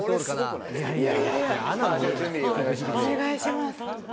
お願いします